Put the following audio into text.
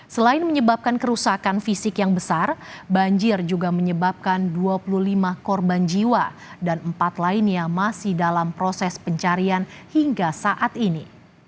selain menyebabkan kerusakan fisik yang besar banjir juga menyebabkan dua puluh lima korban jiwa dan empat lainnya masih dalam proses pencarian hingga saat ini